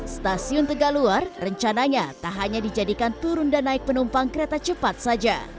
stasiun tegaluar rencananya tak hanya dijadikan turun dan naik penumpang kereta cepat saja